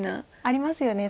ありますよね。